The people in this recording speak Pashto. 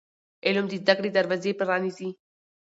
علم د زده کړې دروازې پرانیزي.